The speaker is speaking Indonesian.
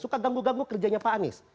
suka ganggu ganggu kerjanya pak anies